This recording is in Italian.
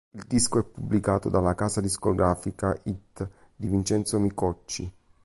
Il disco è pubblicato dalla casa discografica It di Vincenzo Micocci.